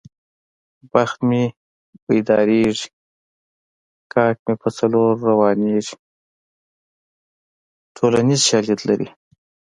بخت مې پیدارېږي کاک مې په څلور روانېږي ټولنیز شالید لري